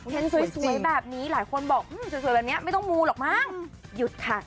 เห็นสวยแบบนี้หลายคนบอกสวยแบบนี้ไม่ต้องมูหรอกมั้งหยุดค่ะ